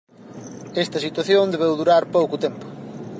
Esta situación debeu durar pouco tempo.